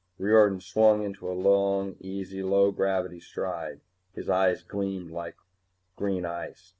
Riordan swung into a long, easy low gravity stride. His eyes gleamed like green ice.